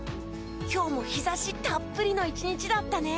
今日も日差したっぷりの１日だったね。